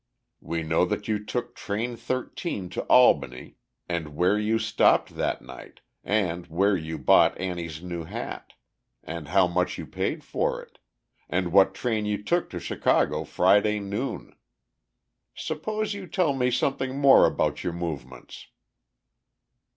We know that you took Train 13 to Albany, and where you stopped that night, and where you bought Annie's new hat, and how much you paid for it, and what train you took to Chicago Friday noon. Suppose you tell me something more about your movements?"